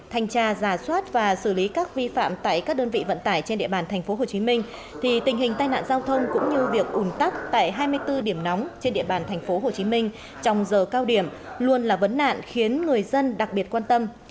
thành tra giả soát và xử lý các vi phạm tại các đơn vị vận tải trên địa bàn tp hcm thì tình hình tai nạn giao thông cũng như việc ủn tắc tại hai mươi bốn điểm nóng trên địa bàn tp hcm trong giờ cao điểm luôn là vấn nạn khiến người dân đặc biệt quan tâm